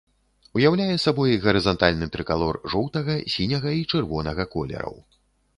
Уяўляе сабой гарызантальны трыкалор жоўтага, сіняга і чырвонага колераў.